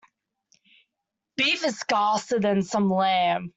Beef is scarcer than some lamb.